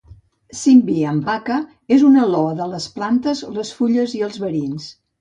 Simbi Anpaka és un loa de les plantes, les fulles i els verins.